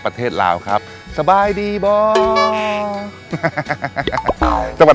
ประเทศลาวครับสบายดีบอฮ่ะฮ่ะฮ่าจังหวัด